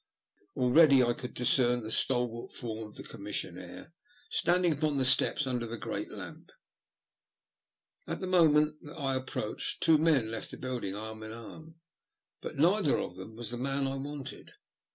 Already I could discern the stalwart form of the com missionaire standing upon the steps under the great lamp. At the moment that I approached, two men left the building arm in arm, but neither of them was the man I wanted.